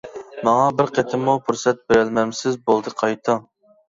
-ماڭا بىر قېتىممۇ پۇرسەت بېرەلمەمسىز؟ -بولدى قايتىڭ!